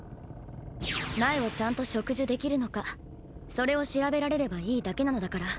苗をちゃんと植樹できるのかそれを調べられればいいだけなのだから。